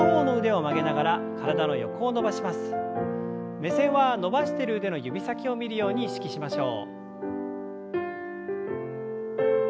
目線は伸ばしている腕の指先を見るように意識しましょう。